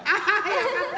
よかった！